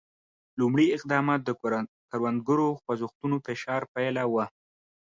لومړي اقدامات د کروندګرو خوځښتونو فشار پایله وه.